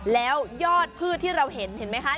แล้วยอดพืชที่เราเห็นเห็นไหมคะ